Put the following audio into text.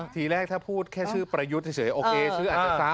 ที่แรกถ้าพูดแค่ชื่อเปล่ายุทธ์เฉยอาจจะซ้ำ